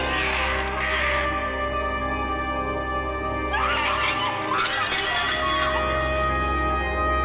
やめて！